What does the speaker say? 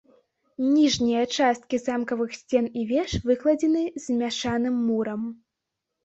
Ніжнія часткі замкавых сцен і веж выкладзены змяшаным мурам.